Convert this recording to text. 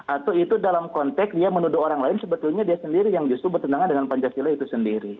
atau itu dalam konteks dia menuduh orang lain sebetulnya dia sendiri yang justru bertentangan dengan pancasila itu sendiri